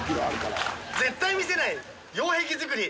▲蕁絶対見せない擁壁づくり。